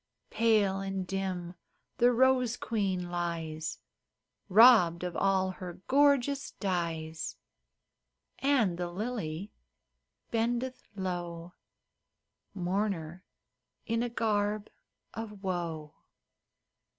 Pale and dim the rose queen lies Robbed of all her gorgeous dyes, And the lily bendeth low, Mourner in a garb of woe.